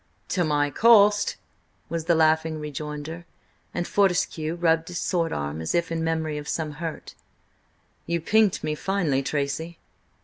"To my cost!" was the laughing rejoinder, and Fortescue rubbed his sword arm as if in memory of some hurt. "You pinked me finely, Tracy!"